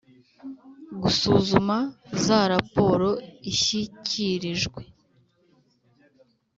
Gusuzuma za raporo ishyikirijwe